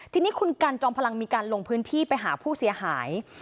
ทีนี้คุณกันจอมพลังมีการลงพื้นที่ไปหาผู้เสียหาย